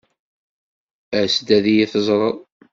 As-d ad iyi-teẓreḍ.